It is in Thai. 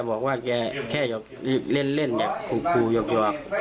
แกบอกว่าแกแค่เล่นอยากคูหยอก